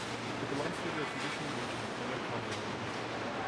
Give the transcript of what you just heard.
It belongs to the traditional region of Inner Carniola.